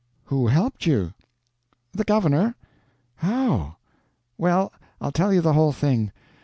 "Who helped you?" "The governor." "How?" "Well, I'll tell you the whole thing.